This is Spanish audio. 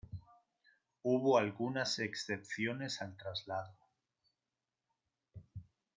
Hubo algunas excepciones al traslado.